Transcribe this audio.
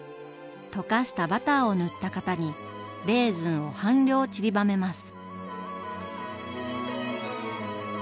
溶かしたバターを塗った型にレーズンを半量ちりばめます。